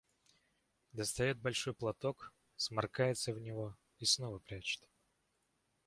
Достает большой платок, сморкается в него и снова прячет.